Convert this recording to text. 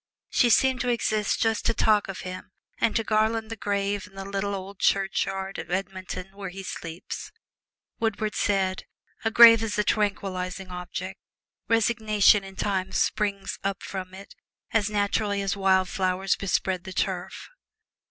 She seemed to exist just to talk of him and to garland the grave in the little old churchyard at Edmonton, where he sleeps. Wordsworth says, "A grave is a tranquillizing object: resignation in time springs up from it as naturally as wild flowers bespread the turf."